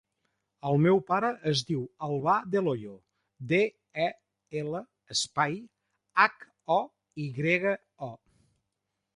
El meu pare es diu Albà Del Hoyo: de, e, ela, espai, hac, o, i grega, o.